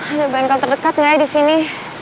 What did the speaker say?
ada bengkel terdekat gak ya disini